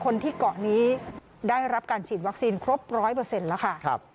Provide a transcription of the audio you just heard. คนที่เกาะนี้ได้รับการฉีดวัคซีนครบ๑๐๐แล้วค่ะ